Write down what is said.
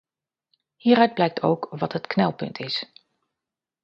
Hieruit blijkt ook wat het knelpunt is.